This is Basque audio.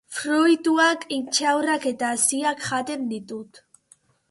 Fruituak, intxaurrak eta haziak jaten ditu.